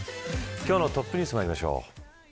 今日のトップニュースまいりましょう。